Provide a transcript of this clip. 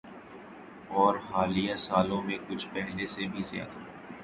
اورحالیہ سالوں میں کچھ پہلے سے بھی زیادہ۔